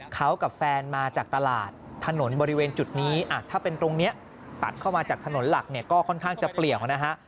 เขากับแฟนมาจากตลาดถนนบริเวณจุดนี้ถ้าเป็นตรงนี้ตัดเข้ามาจากถนนหลักเนี่ยก็ค่อนข้างจะเปลี่ยวนะฮะ